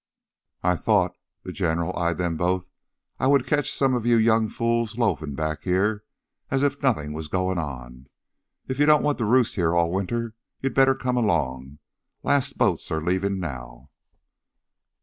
"I thought" the General eyed them both "I would catch some of you young fools loafin' back heah as if nothin' was goin' on. If you don't want to roost heah all winter, you'd better come along. Last boats are leavin' now."